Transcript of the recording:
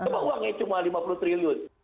coba uangnya cuma rp lima puluh triliun